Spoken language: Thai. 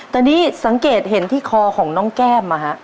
ตอนนี้สังเกตเห็นที่คอของน้องแก้มมาฮะ